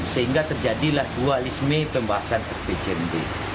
menjadilah dualisme pembahasan terpijenggi